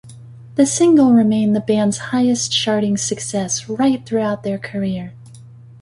The single remained the band's highest charting success right throughout their career.